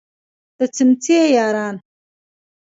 د څمڅې یاران.